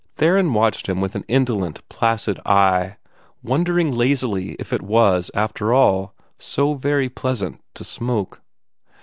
Theron watched him with an indolent, placid eye, wondering lazily if it was, after all, so very pleasant to smoke.